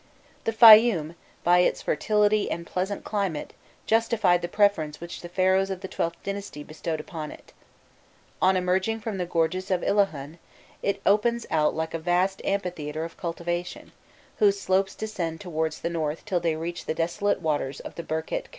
The Fayum, by its fertility and pleasant climate, justified the preference which the Pharaohs of the XIIth dynasty bestowed upon it. On emerging from the gorges of Illahun, it opens out like a vast amphitheatre of cultivation, whose slopes descend towards the north till they reach the desolate waters of the Birket Kerun.